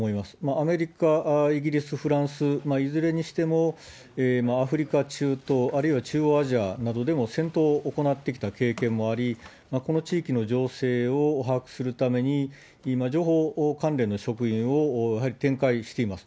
アメリカ、イギリス、フランス、いずれにしてもアフリカ中東、あるいは中央アジアなどでも、戦闘を行ってきた経験もあり、この地域の情勢を把握するために、情報関連の職員を展開しています。